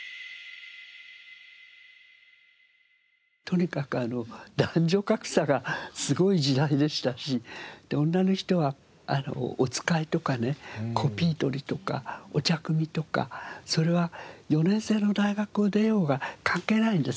とにかく男女格差がすごい時代でしたし女の人はお使いとかねコピー取りとかお茶くみとかそれは４年制の大学を出ようが関係ないんです。